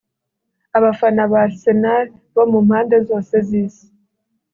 Abafana ba Arsenal mu mpande zose z’Isi